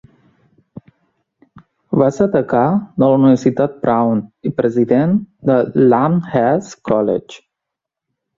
Va ser degà de la Universitat Brown i president de l'Amherst College.